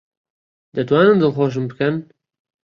دەتوانن دڵخۆشم بکەن؟